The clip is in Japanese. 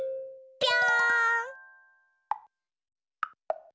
ぴょん。